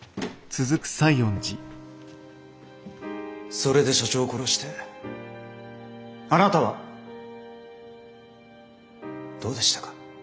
それで社長を殺してあなたはどうでしたか？